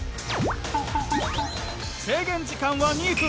制限時間は２分。